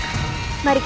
aku akan menangkapmu